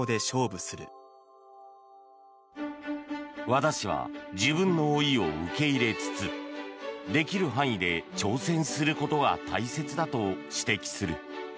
和田氏は自分の老いを受け入れつつできる範囲で挑戦することが大切だと指摘する。